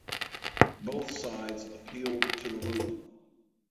Both sides appealed to the ruling.